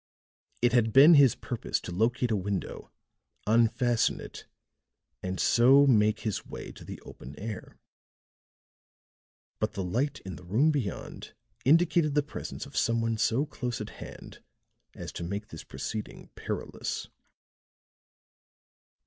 It had been his purpose to locate a window, unfasten it, and so make his way to the open air; but the light in the room beyond indicated the presence of someone so close at hand as to make this proceeding perilous.